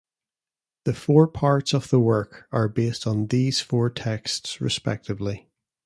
The four parts of the work are based on these four texts respectively.